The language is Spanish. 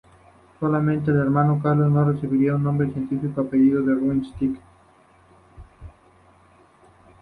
Solamente el hermano, Carlos, no recibiría un nombre científico, a pedido de Ruth Schick.